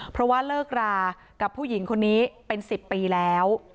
เพราะว่าเลิกรากับผู้หญิงคนนี้เป็น๑๐ปีแล้ว